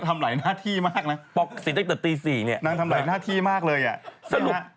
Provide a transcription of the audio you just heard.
ทำหลายหน้าที่มากนะ